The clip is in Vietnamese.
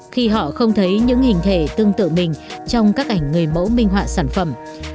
khi họ không thấy những hình thể tương tự mình trong các ảnh người mẫu minh họa sản phẩm